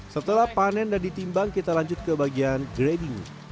setelah panen dan ditimbang kita lanjut ke bagian grading